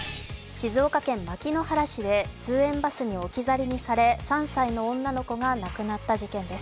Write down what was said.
静岡県牧之原市で通園バスに置き去りにされ、３歳の女の子が亡くなった事件です